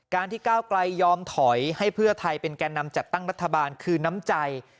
ที่ก้าวไกลยอมถอยให้เพื่อไทยเป็นแก่นำจัดตั้งรัฐบาลคือน้ำใจ